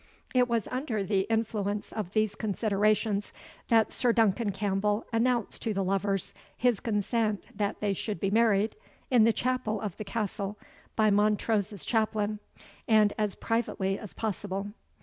It was under the influence of these considerations that Sir Duncan Campbell announced to the lovers his consent that they should be married in the chapel of the Castle, by Montrose's chaplain, and as privately as possible.